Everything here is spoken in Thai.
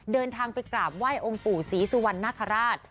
เดินทางไปกราบไหว้องค์ปู่ศรีสุวรรณคราช